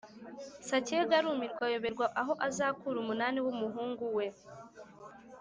Sacyega arumirwa ayoberwa aho azakura umunani wumuhungu we